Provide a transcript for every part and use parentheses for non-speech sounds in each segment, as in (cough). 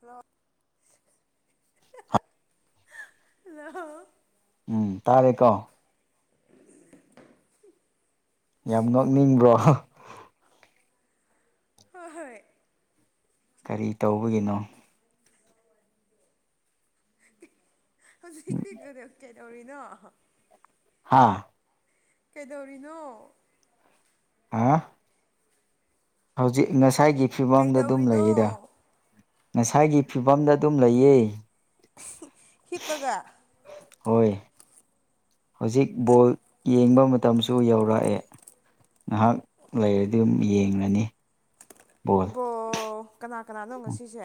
ꯂꯣ ꯑ ꯑꯣ ꯎꯝ ꯇꯥꯔꯦꯀꯣ ꯌꯥꯝ ꯅꯣꯛꯅꯤꯡꯕ꯭ꯔꯣ ꯍ ꯍꯣꯏ ꯀꯔꯤ ꯇꯧꯕꯒꯤꯅꯣ ꯍꯧꯖꯤꯛꯤ ꯀꯗ ꯀꯩꯗꯧꯔꯤꯅꯣ ꯍꯥꯥ ꯀꯩꯗꯧꯔꯤꯅꯣ ꯍꯥ ꯍꯧꯖꯤꯛ ꯉꯁꯥꯏꯒꯤ ꯐꯤꯕꯝꯗ ꯑꯗꯨꯝ ꯀꯩꯗꯧꯔꯤꯅꯣ ꯂꯩꯔꯤꯗ ꯉꯁꯥꯏꯒꯤ ꯐꯤꯕꯝꯗ ꯑꯗꯨꯝ ꯂꯩꯌꯦ ꯍꯤꯞꯄꯒ ꯍꯣꯏ ꯍꯧꯖꯤꯛ ꯕꯣꯜ ꯌꯦꯡꯕ ꯃꯇꯝꯁꯨ ꯌꯧꯔꯛꯑꯦ ꯉꯥꯏꯍꯥꯛ ꯂꯩꯔꯗꯤ ꯑꯗꯨꯝ ꯌꯦꯡꯉꯅꯤ ꯕꯣ ꯀꯅꯥ ꯀꯅꯥꯅꯣ ꯉꯁꯤꯁꯦ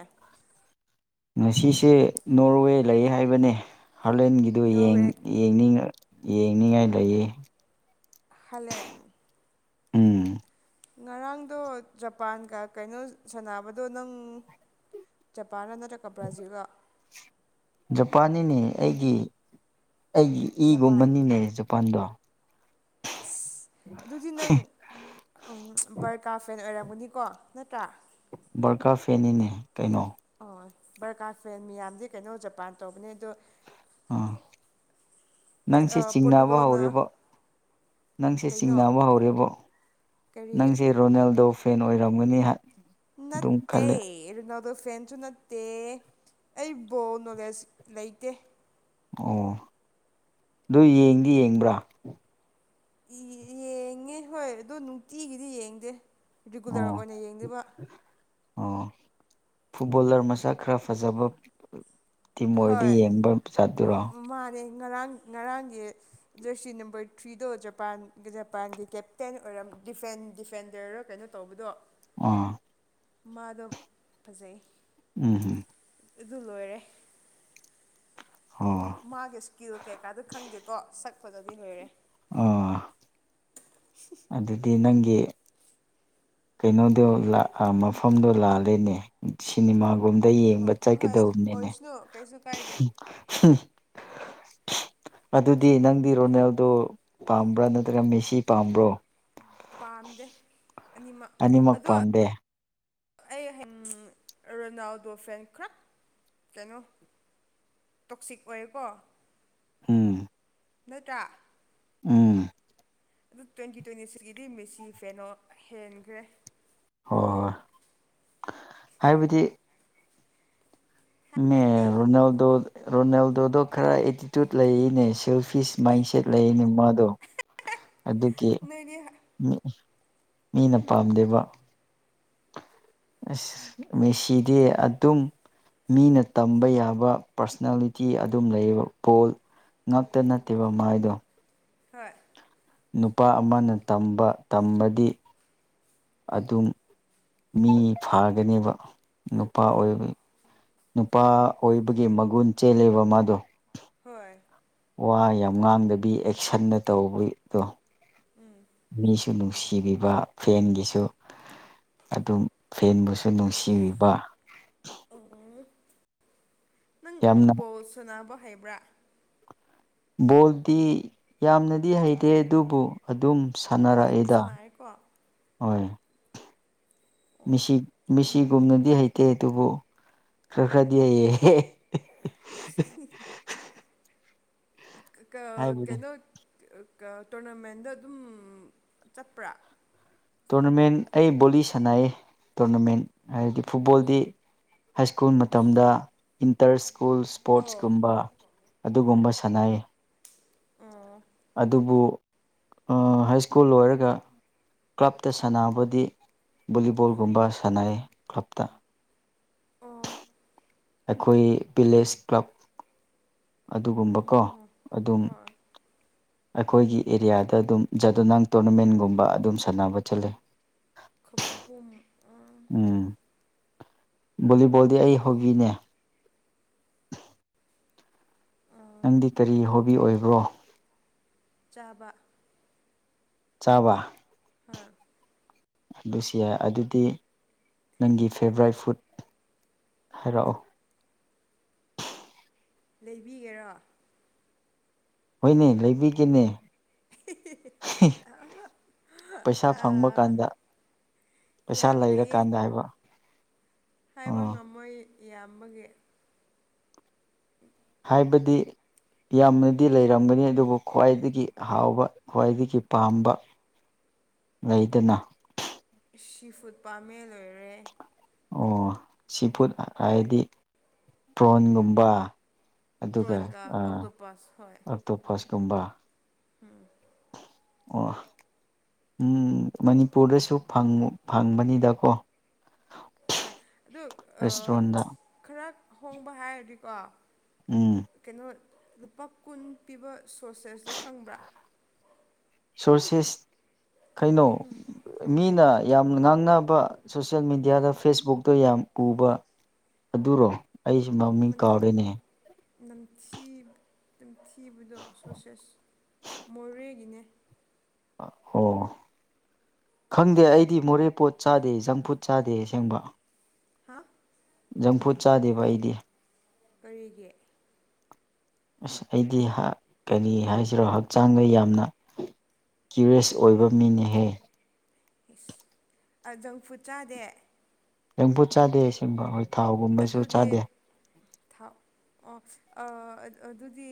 ꯉꯁꯤꯁꯦ ꯅꯣꯔꯋꯦ ꯂꯩ ꯍꯥꯏꯕꯅꯦ ꯍꯂꯦꯟꯒꯤꯗꯨꯅꯤꯡ ꯅꯣꯔꯋꯦ ꯌꯦꯡꯅꯤꯡꯉꯥꯏ ꯂꯩꯌꯦ ꯍꯂꯦꯟ ꯎꯝ ꯉꯔꯥꯡꯗꯣ ꯖꯄꯥꯟꯒ ꯀꯩꯅꯣ ꯁꯥꯟꯅꯕꯗꯣ ꯅꯪ ꯄꯥꯟꯅꯔ ꯀ ꯭ꯔꯥꯖꯂꯒ ꯖꯄꯥꯥꯟꯅꯤꯅꯦ ꯑꯩꯒꯤ ꯑꯩꯒꯤ ꯖꯄꯥꯟ ꯏꯒꯨꯝꯕꯅꯤꯅꯦꯖ ꯄꯗ ꯑ ꯑꯗꯨꯗꯤ ꯅꯪ ꯎ ꯕꯔꯀꯥꯔ ꯐꯦꯟ ꯑꯣꯏꯔ ꯍꯅꯤꯀꯣ ꯅꯠꯇ꯭ꯔꯥ ꯕꯔꯀꯥ ꯐꯦꯅꯤꯅꯦ ꯀꯩꯅꯣ ꯍ ꯕꯔꯀꯥꯔ ꯐꯦꯟ ꯃꯤꯌꯥꯝꯗꯤ ꯀꯩꯅꯣ ꯖꯄꯥꯟ ꯇꯧꯕꯅꯦ ꯑꯗꯣ ꯑꯥ ꯑ ꯅꯪꯁꯤ ꯆꯤꯡꯅꯕ ꯄꯣꯔꯇꯨꯒꯜꯅ ꯍꯧꯔꯤꯕ ꯅꯪꯁꯦ ꯀꯩꯅꯣ ꯆꯤꯡꯅꯕ ꯍꯧꯔꯦꯕꯣ ꯀꯔꯤ ꯅꯪꯁꯦ ꯔꯣꯅꯦꯜꯗꯣ ꯐꯦꯟ ꯑꯣꯏꯔꯝꯒꯅꯤ ꯑꯗꯨꯝ ꯅꯠꯇꯦ ꯈꯜꯂꯦ ꯏ ꯅ ꯑꯗꯨꯣ ꯐ꯭ꯔꯦꯟꯁꯨ ꯅꯠꯇꯦ ꯑꯩꯕꯨ ꯅꯣꯂꯦꯖ ꯂꯩꯇꯦ ꯑꯣ ꯑꯗꯨ ꯌꯦꯡꯗꯤ ꯌꯦꯡꯕ꯭ꯔꯥ ꯌꯦꯡꯉꯦ ꯍꯣꯏ ꯑꯣ ꯅꯨꯡꯇꯤꯒꯤꯗꯤ ꯌꯦꯡꯗꯦ ꯔꯤꯒꯨꯂꯔ ꯑꯣ ꯑꯣꯏꯅ ꯌꯦꯡꯕ ꯑꯣ ꯐꯨꯠꯕꯣꯂꯔ ꯃꯁꯛ ꯈꯔ ꯐꯖꯕ ꯇꯤꯃꯣꯏꯗ ꯍꯣꯏ ꯌꯦꯡꯕ ꯆꯠꯇꯔꯣ ꯃꯥꯅꯦ ꯉꯔꯥꯡ ꯉꯔꯥꯡꯒꯤ ꯖꯔꯁꯤ ꯅꯝꯕꯔ ꯊ꯭ꯔꯤꯗꯣ ꯖꯄꯥꯟꯒ ꯖꯄꯥꯟꯒꯤ ꯀꯦꯞꯇꯦꯟ ꯑꯣꯏꯔꯝ ꯗꯤꯐ ꯗꯤꯐꯦꯟꯗꯔ ꯀꯩꯅꯣ ꯇꯧꯕꯗꯣ ꯑꯥ ꯃꯥꯗꯣ ꯐꯖꯩ ꯎꯝ ꯑꯗꯨ ꯂꯣꯏꯔꯦ ꯑꯣ ꯃꯥꯒꯤ ꯏꯁꯀꯤꯜ ꯀꯩꯀꯥꯗꯨ ꯈꯪꯗꯦꯀꯣ ꯁꯛꯄꯗꯗꯤ ꯂꯣꯏꯔꯦ ꯑꯣ ꯑꯗꯨꯗꯤ ꯅꯪꯒꯤ ꯀꯩꯅꯣꯗꯣ ꯃꯐꯝꯗꯣ ꯂꯥꯜꯂꯦꯅꯦ ꯁꯤꯅꯦꯃꯥ ꯒꯨꯝꯕꯗ ꯌꯦꯡꯕ ꯍꯣꯏ ꯆꯠꯀꯗꯧꯕꯅꯤꯅꯦ ꯑꯣꯏꯁꯅꯨ ꯀꯩꯁꯨ ꯀꯥꯏꯗꯦ (inaudible) ꯑꯗꯨꯗꯤ ꯅꯪꯗꯤ ꯔꯣꯅꯦꯜꯗꯣ ꯄꯥꯝꯕ꯭ꯔꯥ ꯅꯠꯇ꯭ꯔꯒ ꯃꯦꯁꯤ ꯄꯥꯝꯕ꯭ꯔꯣ ꯄꯥꯝꯗꯦ ꯑꯅꯤꯃꯛ ꯄꯥꯝꯗꯦ ꯑꯩ ꯔꯣꯅꯥꯜꯗꯣ ꯐꯦꯟꯈ꯭ꯔꯥ ꯀꯩꯅꯣ ꯇꯣꯛꯁꯤꯛ ꯑꯣꯏꯀꯣ ꯑꯝ ꯅꯠꯇ꯭ꯔꯥ ꯎꯝ ꯑꯗꯨ ꯇ꯭ꯋꯦꯟꯇꯤ ꯇ꯭ꯋꯦꯟꯇꯤ ꯊ꯭ꯔꯤꯗꯤ ꯃꯦꯁꯤ ꯐꯦꯟꯗꯣ ꯍꯦꯟꯈ꯭ꯔꯦ ꯍꯣꯏ ꯍꯣꯏ ꯍꯥꯏꯕꯗꯤ ꯃꯦ ꯍꯥꯏꯕꯗꯤ ꯔꯣꯅꯥꯜꯗꯣ ꯔꯣꯅꯥꯜꯗꯣꯗꯣ ꯈꯔ ꯑꯦꯇꯤꯇꯌꯨꯠ ꯂꯩꯔꯤꯅꯦ ꯁꯦꯜꯐꯤꯁ ꯃꯥꯏꯟꯁꯦꯠ ꯂꯩꯅꯦ ꯃꯥꯗꯣ (inaudible) ꯑꯗꯨꯒꯤ ꯅꯣꯏꯗꯤ ꯃꯤꯅ ꯄꯥꯝꯗꯦꯕ ꯑꯁ ꯃꯦꯁꯤꯗꯤ ꯑꯗꯨꯝ ꯃꯤꯅ ꯇꯝꯕ ꯌꯥꯕ ꯄꯥꯔꯁꯅꯦꯜꯂꯤꯇꯤ ꯑꯗꯨꯝ ꯂꯩ ꯕꯣꯜ ꯉꯛꯇ ꯅꯠꯇꯦꯕ ꯃꯥꯏꯗꯣ ꯍꯣꯏ ꯅꯨꯄꯥ ꯑꯃꯅ ꯇꯝꯕ ꯇꯝꯕꯗꯤ ꯑꯗꯨꯝ ꯃꯤ ꯐꯥꯒꯅꯦꯕ ꯅꯨꯄꯥ ꯑꯥ ꯑꯣꯏꯕ ꯅꯨꯄꯥ ꯑꯥ ꯑꯣꯏꯕꯒꯤ ꯃꯒꯨꯟ ꯆꯦꯜꯂꯦꯕ ꯃꯥꯗꯣ ꯍꯣꯏ ꯋꯥ ꯌꯥꯝ ꯉꯥꯡꯗꯕꯤ ꯑꯦꯛꯁꯟꯅ ꯇꯧꯕꯗꯣ ꯎꯝ ꯅꯨꯡꯁꯤꯕꯤꯕ ꯐꯦꯟꯒꯤꯁꯨ ꯑꯗꯨꯝ ꯐꯦꯟꯕꯨꯁꯨ ꯅꯨꯡꯁꯤꯕꯤꯕ ꯑꯣ ꯅꯪ ꯌꯥꯝꯅ ꯕꯣꯜ ꯁꯅꯥꯅꯕ ꯍꯩꯕ꯭ꯔꯥ ꯕꯣꯜꯗꯤ ꯌꯥꯝꯅꯗꯤ ꯍꯩꯇꯦ ꯑꯗꯨꯕꯨ ꯑꯗꯨꯝ ꯑꯗꯨꯝ ꯁꯥꯟꯅꯔꯛꯏꯗ ꯁꯥꯟꯅꯔꯦꯀꯣ ꯑꯣ ꯍꯣꯏ (inaudible) ꯃꯤꯁꯤ ꯃꯤꯁꯤꯒꯨꯝꯅꯗꯤ ꯍꯩꯇꯦ ꯑꯗꯨꯕꯨ ꯈꯔ ꯈꯔꯗꯤ ꯍꯩꯌꯦ (unintelligible) ꯀ ꯍꯥꯏꯕꯗꯤ ꯀꯩꯅꯩꯅꯣ ꯇꯣꯔꯅꯥꯃꯦꯟꯗ ꯑꯗꯨꯝ ꯆꯠꯄ꯭ꯔꯥ ꯇꯣꯔꯅꯥꯃꯦꯟ ꯑꯩ ꯕꯣꯂꯤ ꯁꯥꯟꯅꯩ ꯇꯣꯔꯅꯥꯃꯦꯟ ꯍꯥꯏꯕꯗꯤ ꯐꯨꯠꯕꯣꯜꯗꯤ ꯍꯥꯏ ꯁ꯭ꯀꯨꯜ ꯃꯇꯝꯗ ꯏꯟꯇꯔꯁ ꯁ꯭ꯀꯨꯜ ꯏꯁ꯭ꯄꯣꯔꯠꯁ ꯑꯣ ꯀꯨꯝꯕ ꯑꯗꯨꯒꯨꯝꯕ ꯁꯥꯟꯅꯩ ꯑꯣ ꯑꯗꯨꯕꯨ ꯍꯥꯏ ꯁ꯭ꯀꯨꯜ ꯂꯣꯏꯔꯒ ꯀ꯭ꯂꯞꯇ ꯁꯥꯟꯅꯕꯗꯤ ꯕꯣꯂꯤꯕꯣꯜꯒꯨꯝꯕ ꯁꯥꯟꯅꯩ ꯀ꯭ꯂꯞꯇ ꯑꯣ ꯑꯩꯈꯣꯏ ꯚꯤꯂꯦꯖ ꯀ꯭ꯂꯕ ꯑꯣ ꯑꯗꯨꯒꯨꯝꯕꯀꯣ ꯍꯣ ꯍꯣ ꯑꯗꯨꯝ ꯍꯣꯏ ꯑꯩꯈꯣꯏꯒꯤ ꯑꯦꯔꯤꯌꯥꯗ ꯑꯗꯨꯝ ꯖꯥꯗꯨꯅꯥꯡ ꯇꯣꯔꯅꯃꯦꯟꯒꯨꯝꯕ ꯑꯗꯨꯝ ꯁꯥꯟꯅꯕ ꯆꯠꯂꯦ ꯈꯄꯨꯝ ꯎꯝ ꯚꯣꯂꯤꯕꯣꯜꯗꯤ ꯑꯩ ꯍꯣꯕꯤꯅꯦ ꯅꯪꯗꯤ ꯀꯔꯤ ꯍꯣꯕꯤ ꯑꯣꯏꯕ꯭ꯔꯣ ꯆꯥꯕ ꯆꯥꯕ ꯍꯥꯥ ꯑꯗꯨꯁꯨ ꯌꯥꯏ ꯑꯗꯨꯗꯤ ꯅꯪꯒꯤ ꯐꯦꯚꯣꯔꯥꯏꯠ ꯐꯨꯗ ꯍꯥꯏꯔꯛꯑꯣ ꯂꯩꯕꯤꯒꯦꯔꯥ ꯍꯣꯏꯅꯦ ꯂꯩꯕꯤꯒꯦꯅꯦ ꯄꯩꯁꯥ ꯐꯪꯕ ꯀꯥꯟꯗ ꯄꯩꯁꯥ ꯌꯥꯝ ꯂꯩꯌꯦ ꯂꯩꯔꯀꯥꯟꯗ ꯍꯥꯏꯕ ꯍꯥꯏꯕ ꯑꯣ ꯉꯝꯃꯣꯏ ꯏꯕꯒꯤ ꯍꯥꯏꯕꯗꯤ ꯌꯥꯝꯅꯗꯤ ꯂꯩꯔꯝꯒꯅꯤ ꯑꯗꯨꯕꯨ ꯈ꯭ꯋꯥꯏꯗꯒꯤ ꯍꯥꯎꯕ ꯈ꯭ꯋꯥꯏꯗꯒꯤ ꯄꯥꯝꯕ ꯎ ꯂꯩꯗꯅ ꯁꯤ ꯐꯨꯗ ꯄꯥꯝꯃꯦ ꯂꯣꯏꯔꯦ ꯑꯣ ꯁꯤꯐꯠ ꯍꯥꯏꯗꯤ ꯄ꯭ꯔꯣꯟꯒꯨꯝꯕ ꯑꯗꯨꯒ ꯄ꯭ꯔꯣꯟꯒ ꯑꯣꯛꯇꯣꯄꯁ ꯍꯣꯏ ꯑꯣꯛꯇꯣꯄꯁꯀꯨꯝꯕ ꯎꯝ ꯑꯣ ꯎꯝ ꯃꯅꯤꯄꯨꯔꯗꯁꯨ ꯐꯪꯕꯅꯤꯗꯀꯣ ꯍꯣꯏ ꯑꯗꯨ ꯔꯦꯁꯇꯨꯔꯦꯟꯗ ꯈꯔ ꯍꯣꯡꯕ ꯍꯥꯏꯔꯗꯤꯀꯣ ꯎꯝ ꯀꯩꯅꯣ ꯂꯨꯄꯥ ꯀꯨꯟ ꯄꯤꯕ ꯁꯣꯁꯦꯁꯇꯣ ꯈꯪꯕ꯭ꯔꯥ ꯁꯣꯔꯁꯦꯁ ꯀꯩꯅꯣ ꯃꯤꯅ ꯌꯥꯝꯅ ꯉꯥꯡꯅꯕ ꯁꯣꯁꯌꯦꯜ ꯃꯦꯗꯤꯌꯥꯗ ꯐꯦꯁꯕꯨꯛꯇꯣ ꯌꯥꯝ ꯎꯕ ꯑꯗꯨꯔꯣ ꯑꯩꯁꯨ ꯃꯃꯤꯡ ꯃꯅꯝ ꯀꯥꯎꯔꯦꯅꯦ ꯅꯝꯊꯤ ꯑꯗꯨꯝ ꯊꯤꯕꯗꯣ ꯁꯣꯠꯁꯦꯁ ꯃꯣꯔꯦꯒꯤꯅꯦ ꯑꯣ ꯈꯪꯗꯦ ꯑꯩꯗꯤ ꯃꯣꯔꯦ ꯄꯣꯠ ꯆꯥꯗꯦ ꯖꯪꯐꯨꯠ ꯆꯥꯗꯦ ꯑꯁꯦꯡꯕ ꯍꯥ ꯆꯝꯐꯨꯠ ꯆꯥꯗꯦꯕ ꯑꯩꯗꯤ ꯀꯔꯤꯒꯤ ꯑꯁ ꯑꯩꯗꯤ ꯀꯔꯤ ꯍꯥꯏꯁꯤꯔꯣ ꯍꯛꯆꯥꯡꯗ ꯌꯥꯝꯅ ꯀ꯭ꯌꯔꯤꯁ ꯑꯣꯏꯕ ꯃꯤꯅꯍꯦ ꯁ ꯖꯪ ꯐꯨꯗ ꯆꯥꯗꯦ ꯂꯦꯡꯐꯨꯠ ꯆꯥꯗꯦ ꯑꯁꯤꯦꯡꯕ ꯑꯩꯈꯣꯏ ꯊꯥꯎꯒꯨꯝꯕꯁꯨ ꯑꯗꯨꯗꯤ ꯆꯥꯗꯦ ꯊꯥꯎ ꯑꯣ ꯑꯗꯨꯗꯤ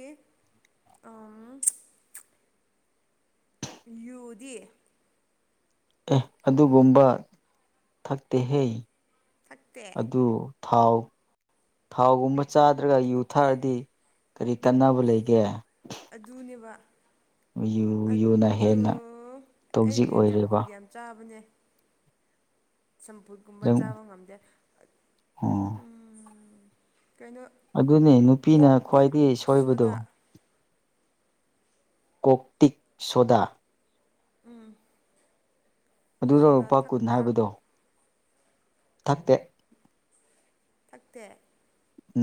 ꯌꯨꯗꯤ ꯑꯦ ꯑꯗꯨꯒꯨꯝꯕ ꯊꯛꯇꯦꯍꯦ ꯊꯛꯇꯦ ꯑꯗꯨ ꯊꯥꯎ ꯊꯥꯎꯒꯨꯝꯕ ꯆꯥꯗ꯭ꯔꯒ ꯌꯨ ꯊꯛꯔꯗꯤ ꯀꯔꯤ ꯀꯟꯅꯅꯕ ꯂꯩꯒꯦ ꯑꯗꯨꯅꯦꯕ ꯌꯨ ꯌꯨꯅ ꯑꯗꯨ ꯍꯦꯟꯅ ꯇꯣꯛꯖꯤꯛ ꯑꯩꯗꯤ ꯑꯣꯏꯔꯦꯕ ꯖꯪꯐꯨꯗ ꯌꯥꯝ ꯆꯥꯕꯅꯦ ꯁꯝꯐꯨꯠꯀꯨꯝꯕ ꯅꯪ ꯆꯥꯕ ꯉꯝꯗꯦ ꯑꯣ ꯀꯩꯅꯣ ꯑꯗꯨꯅꯦ ꯅꯨꯄꯤꯅ ꯀꯣꯛꯇꯤ ꯈ꯭ꯋꯥꯏꯗꯒꯤ ꯁꯣꯏꯕꯗꯣ ꯁꯣꯗꯥ ꯀꯧꯣꯛꯛꯇꯛ ꯁꯣꯗꯥ ꯎꯝ ꯑꯗꯨꯗ ꯁꯣꯗꯥ ꯂꯨꯄꯥ ꯀꯨꯟ ꯊꯛꯄ꯭ꯔꯥ ꯍꯥꯏꯕꯗꯣ ꯊꯥꯛꯛꯇꯦ ꯐ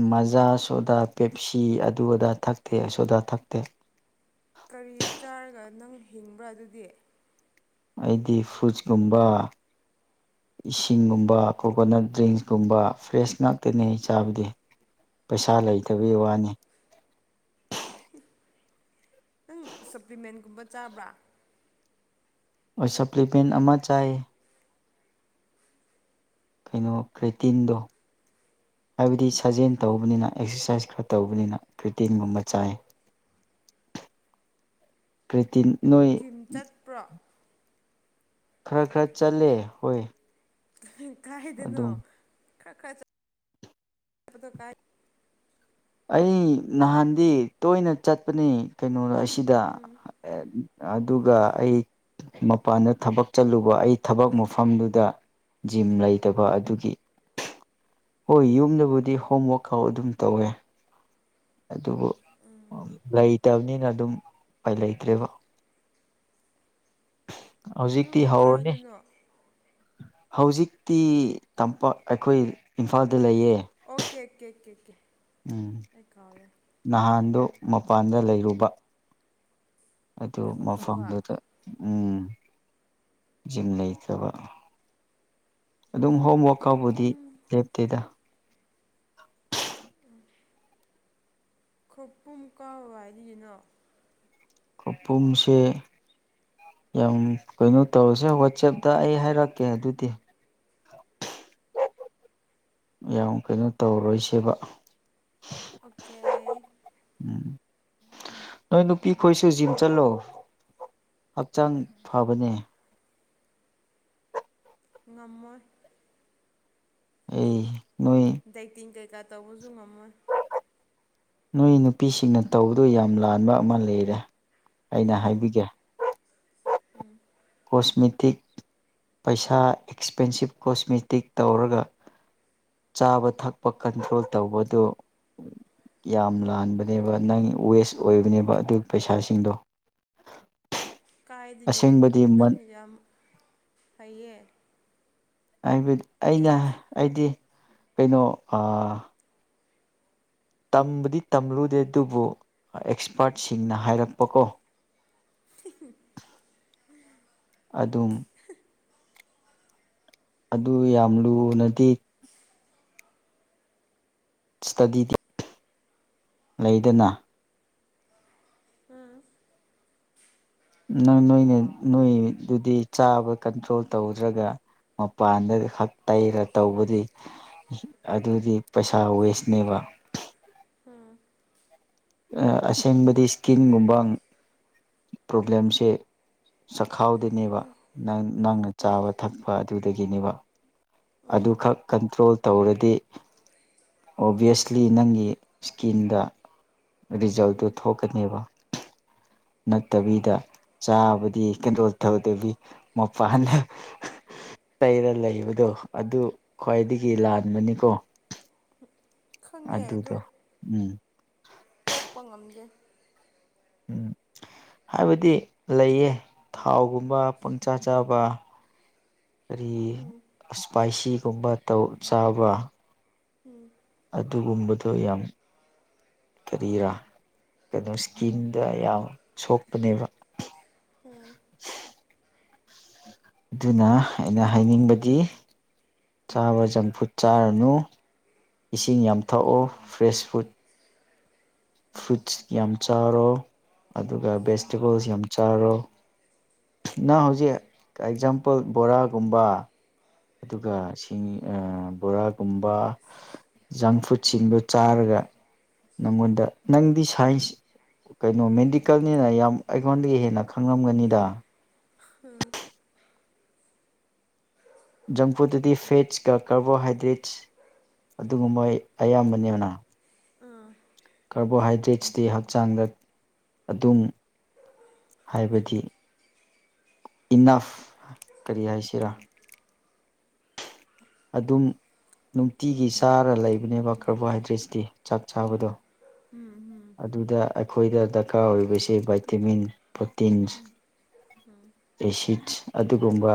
ꯃꯖꯥ ꯁꯣꯗꯥ ꯄꯦꯞꯁꯤ ꯑꯗꯨ ꯑꯗꯥ ꯊꯛꯇꯦ ꯑꯁꯣꯗꯥ ꯊꯛꯇꯦ ꯀꯔꯤ ꯆꯥꯔꯒ ꯅꯪ ꯍꯤꯡꯕ꯭ꯔꯥ ꯑꯗꯨꯗꯤ ꯑꯩꯗꯤ ꯐꯨꯖꯀꯨꯝꯕ ꯏꯁꯤꯡꯒꯨꯝꯕ ꯀꯣꯀꯣꯅꯠ ꯗ꯭ꯔꯤꯡꯁꯀꯨꯝꯕ ꯐ꯭ꯔꯦꯁ ꯉꯥꯛꯇꯅꯦ ꯆꯥꯕꯗꯤ (inaudible) ꯄꯩꯁꯥ ꯂꯩꯇꯕꯒꯤ ꯋꯥꯎ ꯋꯥꯅꯤ ꯅꯪ ꯁꯄ꯭ꯂꯤꯃꯦꯟꯒꯨꯝꯕ ꯆꯥꯕ꯭ꯔꯥ ꯁꯄ꯭ꯂꯤꯃꯦꯟ ꯑꯃ ꯆꯥꯏ ꯀꯩꯅꯣ ꯀ꯭ꯔꯦꯇꯤꯟꯗꯣ ꯍꯥꯏꯕꯗꯤ ꯁꯥꯖꯦꯜ ꯇꯧꯕꯅꯤꯅ ꯑꯦꯛꯁꯔꯁꯥꯏꯁ ꯈꯔ ꯇꯧꯕꯅꯤꯅ ꯔ꯭ꯔꯔꯤꯇꯤꯟꯒꯨꯝꯕ ꯆꯥꯏ (inaudible) ꯀ꯭ꯔꯤꯇꯤꯟ ꯖꯤꯝ ꯆꯠꯄ꯭ꯔꯣ ꯈꯔ ꯈꯔ ꯆꯠꯂꯦ ꯍꯣꯏ ꯀꯥꯏꯗꯅꯣ ꯑꯗꯨꯝ ꯈ ꯈ ꯀꯥꯏ ꯑꯩ ꯅꯍꯥꯟꯗꯤ ꯇꯣꯏꯅ ꯆꯠꯄꯅꯤ ꯀꯩꯅꯣꯗ ꯑꯁꯤꯗ ꯎꯝ ꯑꯗꯨꯒ ꯑꯩ ꯃꯄꯥꯟꯗ ꯊꯕꯛ ꯆꯠꯂꯨꯕ ꯑꯩ ꯊꯕꯛ ꯃꯐꯝꯗꯨꯗ ꯖꯤꯝ ꯂꯩꯇꯕ ꯑꯗꯨꯒꯤ ꯍꯣꯏ ꯌꯨꯝꯗꯕꯨꯗꯤ ꯍꯣꯝꯋꯔꯥꯛꯀꯥꯎ ꯑꯗꯨꯝ ꯇꯧꯋꯦ ꯑꯗꯨꯕꯨ ꯎꯝ ꯂꯩꯇꯕꯅꯤꯅ ꯑꯗꯨꯝ ꯄꯥꯏ ꯂꯩꯇ꯭ꯔꯦꯕ (inaudible) ꯍꯧꯖꯤꯛꯇꯤ ꯅꯪ ꯍꯧꯔꯅꯤ ꯀꯥꯏꯗꯅꯣ ꯍꯧꯖꯤꯛꯇꯤ ꯇꯝꯄꯥꯛ ꯑꯩꯈꯣꯏ ꯏꯝꯐꯥꯜꯗ ꯂꯩꯌꯦ ꯑꯣꯀꯦ ꯑꯣꯀꯦ ꯑꯣꯀꯦ ꯑꯣꯀꯦ ꯀꯥꯎꯋꯦ ꯅꯍꯥꯟꯗꯨ ꯃꯄꯥꯟꯗ ꯂꯩꯔꯨꯕ ꯑꯗꯨ ꯊꯕꯛ ꯇꯧꯕ ꯃꯐꯝꯗꯨꯗ ꯎꯝ ꯝ ꯂꯩ ꯀꯕ ꯑꯗꯨꯝ ꯍꯣꯝꯋꯔꯥꯛꯀꯥꯎꯕꯨꯗꯤ ꯈꯧꯄꯨꯝ ꯂꯦꯞꯇꯦꯗ ꯈꯣꯄꯨꯝ ꯀꯋꯥꯔꯤꯅ ꯈꯨꯄꯨꯝꯁꯦ ꯌꯥꯝ ꯀꯩꯅꯣ ꯇꯧꯔꯁꯦ ꯋꯥꯆꯦꯞꯇ ꯑꯩ ꯍꯥꯏꯔꯛꯀꯦ ꯑꯗꯨꯗꯤ (inaudible) ꯌꯥꯝ ꯀꯩꯅꯣ ꯇꯧꯔꯔꯣꯏꯁꯦꯕ ꯑꯣꯀꯦ ꯅꯣꯏ ꯅꯨꯄꯤ ꯈꯣꯏꯁꯨ ꯖꯤꯝ ꯆꯠꯂꯣ ꯍꯛꯆꯥꯡ ꯐꯕꯅꯦ ꯉꯃ ꯎꯝ ꯗꯥꯏꯇꯤꯡ ꯀꯩꯀꯥ ꯇꯧꯕꯁꯨ ꯉꯝꯃꯣꯏ ꯅꯨꯣꯏ ꯅꯨꯄꯤꯁꯤꯡꯅ ꯇꯧꯕꯗꯨ ꯌꯥꯝ ꯂꯥꯟꯕ ꯑꯃ ꯂꯩꯔꯦ ꯑꯩꯅ ꯍꯥꯏꯕꯤꯒꯦ ꯎꯝ ꯀꯣꯁꯃꯤꯇꯤꯛ ꯄꯩꯁꯥ ꯑꯦꯛꯁꯄꯦꯟꯁꯤꯞ ꯀꯣꯁꯃꯦꯇꯤꯛ ꯇꯧꯔꯒ ꯆꯥꯕ ꯊꯛꯄ ꯀꯟꯇ꯭ꯔꯣꯜ ꯇꯧꯕꯗꯨ ꯌꯥꯝ ꯂꯥꯟꯕꯅꯦꯕ ꯅꯪ ꯋꯦꯁ ꯑꯣꯏꯕꯅꯦꯕ ꯑꯗꯨꯒꯤ ꯄꯩꯁꯥꯁꯤꯡꯗꯣ ꯀꯥꯏꯗꯒꯦ ꯑꯁꯦꯡꯕꯗꯤ ꯅꯪ ꯌꯥꯝ ꯍꯩꯌꯦ ꯍꯥꯏꯕꯠ ꯑꯩꯅ ꯑꯦꯛꯁ ꯑꯩꯗꯤ ꯀꯩꯅꯣ ꯑ ꯇꯝꯕꯗꯤ ꯇꯝꯂꯨꯗꯦ ꯑꯗꯨꯕꯨ ꯑꯦꯛꯁꯄꯥꯔꯠꯁꯤꯡꯅ ꯍꯥꯏꯔꯛꯄꯀꯣ ꯑꯗꯨꯝ ꯑꯗꯨ ꯌꯥꯝ ꯂꯨꯅꯗꯤ ꯏꯁꯇꯗꯤꯗꯤ ꯂꯩꯗꯅ ꯎꯝ ꯅꯪ ꯅꯣꯏꯅ ꯅꯣꯏꯗꯨꯗꯤ ꯆꯥꯕ ꯀꯟꯇ꯭ꯔꯣꯜ ꯇꯧꯗ꯭ꯔꯒ ꯃꯄꯥꯟꯗ ꯈꯛ ꯇꯩꯔ ꯇꯧꯕꯗꯤ ꯑꯗꯨꯗꯤ ꯄꯩꯁꯥ ꯋꯦꯁꯅꯦꯕ (inaudible) ꯑ ꯑꯁꯦꯡꯕꯗꯤ ꯏꯁꯀꯤꯟꯒꯨꯝꯕ ꯄ꯭ꯔꯣꯕ꯭ꯂꯦꯝꯁꯦ ꯈꯥꯎꯗꯣꯏꯅꯦꯕ ꯅꯪ ꯅꯪꯅ ꯆꯥꯕ ꯊꯛꯄ ꯑꯗꯨꯗꯒꯤꯅꯦꯕ ꯎꯝ ꯑꯗꯨꯈꯛ ꯀꯟꯇ꯭ꯔꯣꯜ ꯇꯧꯔꯗꯤ ꯑꯣꯚꯤꯌꯁꯂꯤ ꯅꯪꯒꯤ ꯏꯁꯀꯤꯟꯗ ꯔꯤꯖꯜꯇꯨ ꯊꯣꯛꯀꯅꯦꯕ (inaudible) ꯅꯠꯇꯕꯤꯗ ꯆꯥꯕꯗꯤ ꯀꯟꯇ꯭ꯔꯣꯜ ꯇꯧꯗꯕꯤ ꯃꯄꯥꯟꯅ ꯇꯩꯔ ꯂꯩꯕꯗꯣ ꯑꯗꯨ ꯈ꯭ꯋꯥꯏꯗꯒꯤ ꯂꯥꯟꯕꯅꯤꯀꯣ ꯈꯪꯉꯦ ꯑꯗꯨ ꯑꯗꯨꯗꯣ ꯎꯝ ꯄꯉꯝꯗꯦ ꯎꯝ ꯍꯥꯏꯕꯗꯤ ꯂꯩꯌꯦ ꯊꯥꯎꯒꯨꯝꯕ ꯄꯪꯆꯥ ꯆꯥꯕ ꯀꯔꯤ ꯏꯁꯄꯥꯏꯁꯤꯒꯨꯝꯕ ꯇꯧ ꯆꯥꯕ ꯎꯝ ꯑꯗꯨꯒꯨꯝꯕꯗꯣ ꯌꯥꯝ ꯀꯔꯤꯔꯥ ꯀꯩꯅꯣ ꯏꯁꯀꯤꯟꯗ ꯌꯥꯝ ꯁꯣꯛꯄꯅꯦꯕ ꯗꯨꯅ ꯑꯩꯅ ꯍꯥꯏꯅꯤꯡꯕꯗꯤ ꯆꯥꯕ ꯆꯝꯐꯨꯠ ꯆꯥꯔꯅꯨ ꯏꯁꯤꯡ ꯌꯥꯝ ꯊꯛꯑꯣ ꯐ꯭ꯔꯦꯁ ꯐꯨꯗ ꯐ꯭ꯔꯨꯠꯁ ꯌꯥꯝ ꯆꯥꯔꯣ ꯑꯗꯨꯒ ꯚꯦꯖꯤꯇꯦꯕꯜꯁ ꯌꯥꯝ ꯆꯥꯔꯣ ꯅꯪ ꯍꯧꯖꯤꯛ ꯑꯦꯛꯖꯥꯝꯄꯜ ꯕꯣꯔꯥꯒꯨꯝꯕ ꯑꯗꯨꯒ ꯁꯤꯡ ꯑ ꯕꯣꯔꯥꯒꯨꯝꯕ ꯖꯪ ꯐꯨꯗꯁꯤꯡꯗꯣ ꯆꯥꯔꯒ ꯅꯪꯉꯣꯟꯗ ꯅꯪꯗꯤ ꯁꯥꯏꯟꯁ ꯀꯩꯅꯣ ꯃꯦꯟꯗꯤꯀꯦꯜꯅꯤꯅ ꯌꯥꯝ ꯑꯩꯉꯣꯟꯗꯒꯤ ꯍꯦꯟꯅ ꯈꯪꯔꯝꯒꯅꯤꯗ ꯍꯨꯝ ꯖꯪꯐꯨꯠꯇꯗꯤ ꯐꯦꯠꯁꯀ ꯀꯥꯔꯕꯣꯍꯥꯏꯗ꯭ꯔꯦꯠꯁ ꯑꯗꯨꯒꯨꯝꯕ ꯑꯌꯥꯝꯕꯅꯦꯅ ꯎꯝ ꯀꯥꯔꯕꯣꯍꯥꯏꯗ꯭ꯔꯦꯠꯁꯇꯤ ꯍꯛꯆꯥꯡꯗ ꯑꯗꯨꯝ ꯍꯥꯏꯕꯗꯤ ꯏꯟꯅꯐ ꯀꯔꯤ ꯍꯥꯏꯁꯤꯔꯥ ꯑꯗꯨꯝ ꯅꯨꯡꯇꯤꯒꯤ ꯆꯥꯔ ꯂꯩꯕꯅꯦꯕ ꯀꯥꯔꯕꯣꯍꯥꯏꯗ꯭ꯔꯦꯠꯁꯇꯤ ꯆꯥꯛ ꯆꯥꯕꯗꯣ ꯑꯗꯨꯗ ꯑꯩꯈꯣꯏꯗ ꯗꯔꯀꯥꯔ ꯑꯣꯏꯔꯤꯕꯁꯦ ꯚꯥꯏꯇꯦꯃꯤꯟ ꯄ꯭ꯔꯣꯇꯤꯟꯁ ꯑꯦꯁꯤꯠꯁ ꯑꯗꯨꯒꯨꯝꯕ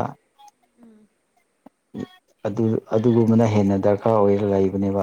ꯎꯝ ꯑꯗꯨ ꯑꯗꯨꯒꯨꯝꯕꯅ ꯍꯦꯟꯅ ꯗꯔꯀꯥꯔ ꯑꯣꯏꯔ ꯂꯩꯕꯅꯦꯕ